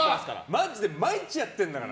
マジで毎日やってんだから。